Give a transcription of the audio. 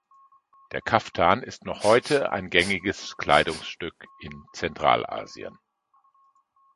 Der Kaftan ist noch heute ein gängiges Kleidungsstück in Zentralasien.